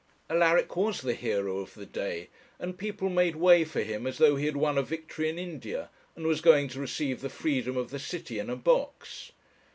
Alaric was the hero of the day, and people made way for him as though he had won a victory in India, and was going to receive the freedom of the city in a box.